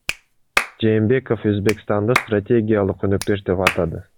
Жээнбеков Өзбекстанды стратегиялык өнөктөш деп атады